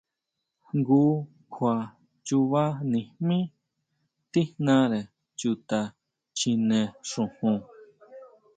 Jngu kjua chubanijmí tíjnare chuta chjine xojon.